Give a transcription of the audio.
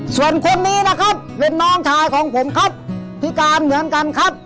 ส่วนคนนี้นะครับเป็นน้องชายของผมครับพิการเหมือนกันครับ